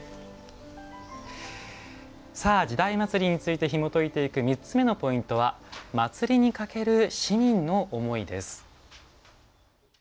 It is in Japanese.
「時代祭」についてひもといていく３つ目のポイントは「祭りにかける市民の思い」です。